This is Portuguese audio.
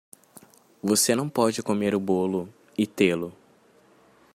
Você não pode comer o bolo e tê-lo